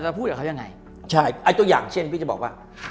รู้อยู่แล้ว